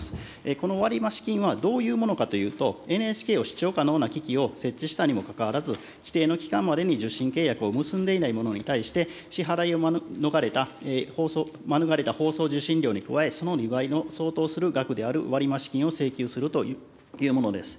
この割増金はどういうものかというと、ＮＨＫを視聴可能な機器を設置したにもかかわらず、規定の期間までに受信契約を結んでいない者に対して、支払いを免れた放送受信料に加え、その２倍の相当する額である割増金を請求するというものです。